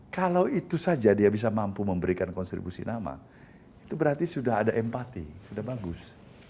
kalau itu saja dia bisa mampu memberikan kontribusi nama itu berarti sudah ada empati sudah bagus